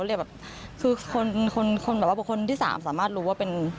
หรือแบบคือคนแบบว่าบทคนที่๓สามารถรู้ว่าเป็น